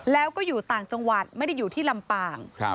แล้วก็อยู่ต่างจังหวัดไม่ได้อยู่ที่ลำปาง